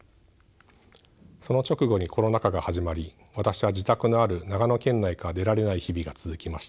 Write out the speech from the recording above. その直後にコロナ禍が始まり私は自宅のある長野県内から出られない日々が続きました。